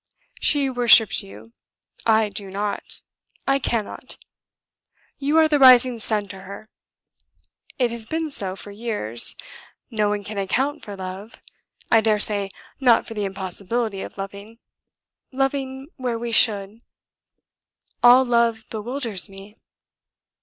She worships you: I do not, I cannot. You are the rising sun to her. It has been so for years. No one can account for love; I daresay not for the impossibility of loving ... loving where we should; all love bewilders me.